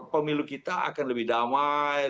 pemilu kita akan lebih damai